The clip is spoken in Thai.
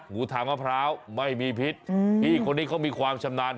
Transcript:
งูทางมะพร้าวไม่มีพิษพี่คนนี้เขามีความชำนาญ